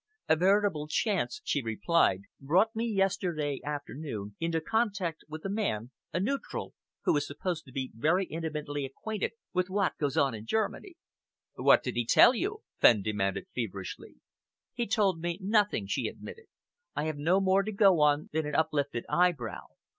"A veritable chance," she replied, "brought me yesterday afternoon into contact with a man a neutral who is supposed to be very intimately acquainted with what goes on in Germany." "What did he tell you?" Fenn demanded feverishly. "He told me nothing," she admitted. "I have no more to go on than an uplifted eyebrow.